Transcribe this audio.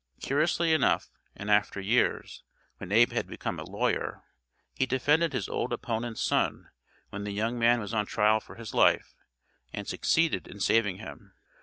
Curiously enough, in after years, when Abe had become a lawyer, he defended his old opponent's son when the young man was on trial for his life, and succeeded in saving him.